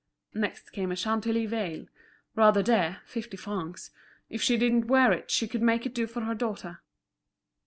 Next came a Chantilly veil: rather dear, fifty francs; if she didn't wear it she could make it do for her daughter.